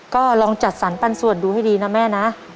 ก็ลองจัดสรรปันส่วนดูให้ดีนะแม่นะ